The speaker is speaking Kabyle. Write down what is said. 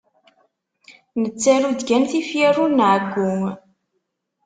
Nettaru-d kan tifyar ur nɛeyyu.